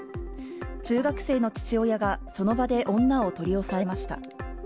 中学生の父親がその場で女を取り押さえました。